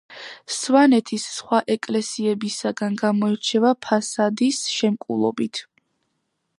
სვანეთის სხვა ეკლესიებისაგან გამოირჩევა ფასადის შემკულობით.